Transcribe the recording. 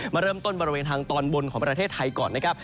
มาเริ่มต้นบริเวณทางตอนบนของประเทศไทยก่อนนะครับ